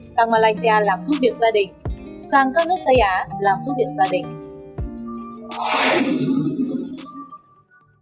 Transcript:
sang malaysia làm giúp việc gia đình sang các nước tây á làm giúp việc gia đình